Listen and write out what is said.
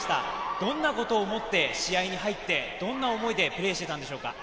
どんなことを思って試合に入って、どんな思いでプレーしていたんでしょうか？